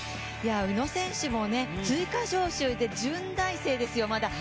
宇野選手も、追加招集で順大生ですよ、まだ。